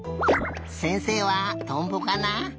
せんせいはトンボかな？